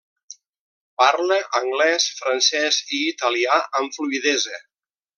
Parla anglès, francès i italià amb fluïdesa.